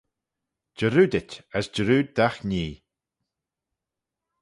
Jarroodit as jarrood dagh nhee.